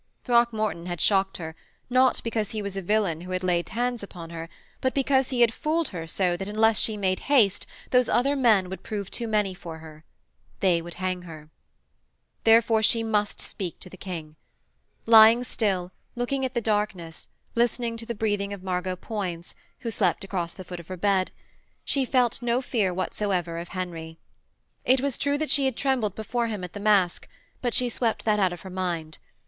Throckmorton had shocked her, not because he was a villain who had laid hands upon her, but because he had fooled her so that unless she made haste those other men would prove too many for her. They would hang her. Therefore she must speak to the King. Lying still, looking at the darkness, listening to the breathing of Margot Poins, who slept across the foot of her bed, she had felt no fear whatsoever of Henry. It was true she had trembled before him at the masque, but she swept that out of her mind.